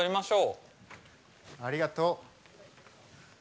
ありがとう。